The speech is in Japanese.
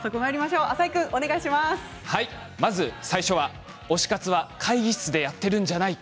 まず最初は推し活は会議室でやっているんじゃない！